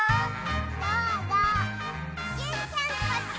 どうぞジュンちゃんこっち！